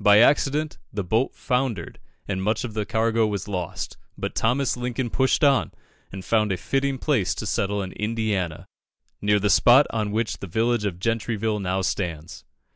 By accident, the boat foundered, and much of the cargo was lost; but Thomas Lincoln pushed on, and found a fitting place to settle in Indiana, near the spot on which the village of Gentryville now stands.